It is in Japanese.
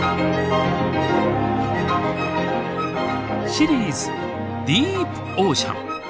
シリーズ「ディープオーシャン」。